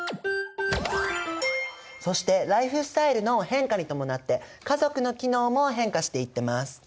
そしてライフスタイルの変化に伴って家族の機能も変化していってます。